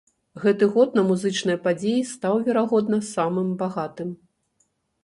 Гэты год на музычныя падзеі стаў, верагодна, самым багатым.